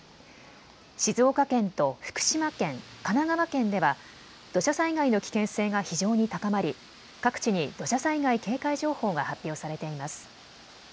静岡県と福島県、神奈川県では土砂災害の危険性が非常に高まり各地に土砂災害警戒情報が発表されています。